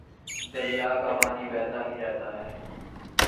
دریا کا پانی بہتا ہی رہتا ہے